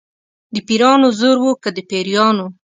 د پیرانو زور و که د پیریانو.